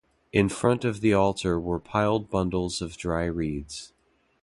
In front of the altar were piled bundles of dry reeds.